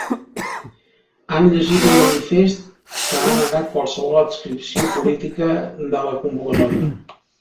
Han llegit un manifest que ha negat qualsevol adscripció política de la convocatòria.